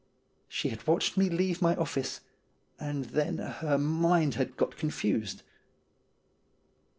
She had watched me leave my office, and then her mind had got confused.